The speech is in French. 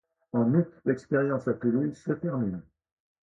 En août, l’expérience à Toulouse se termine.